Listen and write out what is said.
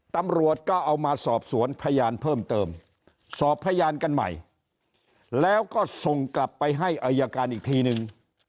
ตำรวจก็เอามาสอบสวนพยานเพิ่มเติมสอบพยานกันใหม่แล้วก็ส่งกลับไปให้อายการอีกทีนึง